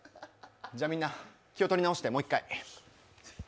じゃ、みんな、気を取り直してもう一回。